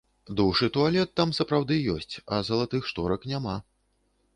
Душ і туалет там сапраўды ёсць, а залатых шторак няма.